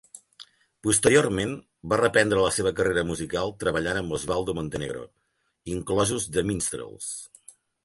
Posteriorment, va reprendre la seva carrera musical treballant amb Oswaldo Montenegro, inclosos The Minstrels.